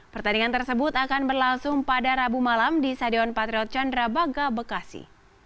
pertandingan tersebut akan berlangsung pada rabu malam di sadeon patriot candrabaga bekasi